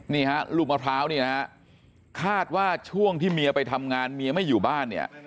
นี่ฮะลูกมะพร้าวนี่นะฮะคาดว่าช่วงที่เมียไปทำงานเมียไม่อยู่บ้านเนี่ย